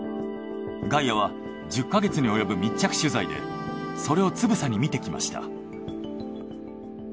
「ガイア」は１０ヵ月におよぶ密着取材でそれをつぶさに見てきました。